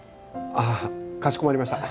あかしこまりました。